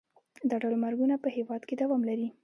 دا ډول مرګونه په هېواد کې دوام لري.